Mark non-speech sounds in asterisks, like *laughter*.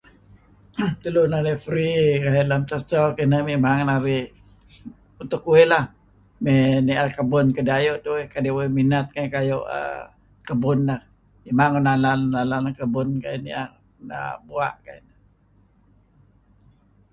*coughs* tulu narih free inan sah cho kinah memang narih, untuk uih lah, mey ni'er kebun kudih ayu' tuih kadi' uih minat err kebun neh' memang uih nalan-nalan lem kebun ni'er bua' keh.